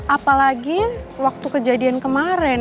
apalagi waktu kejadian kemaren